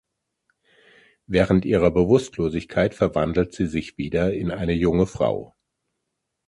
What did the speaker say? Während ihrer Bewusstlosigkeit verwandelt sie sich wieder in eine junge Frau.